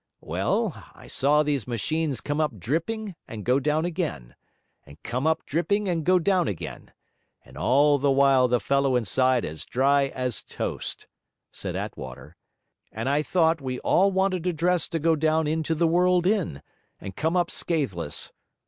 'Well, I saw these machines come up dripping and go down again, and come up dripping and go down again, and all the while the fellow inside as dry as toast!' said Attwater; 'and I thought we all wanted a dress to go down into the world in, and come up scatheless.